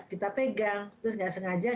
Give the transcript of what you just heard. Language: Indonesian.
kita pegang terus nggak sengaja